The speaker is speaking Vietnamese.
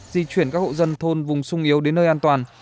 di chuyển các hộ dân thôn vùng sung yếu đến nơi an toàn